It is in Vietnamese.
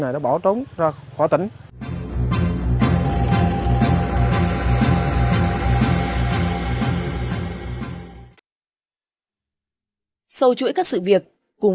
liễu hồng trung phong hoàng thơm và đôn